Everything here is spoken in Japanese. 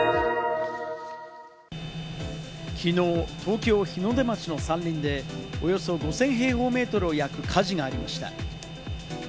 きのう東京・日の出町の山林で、およそ５０００平方メートルを焼く火事がありました。